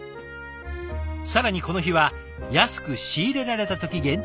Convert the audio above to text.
更にこの日は安く仕入れられた時限定の刺身も。